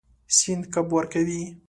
سیند کب ورکوي.